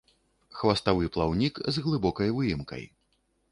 Хваставы плаўнік з глыбокай выемкай.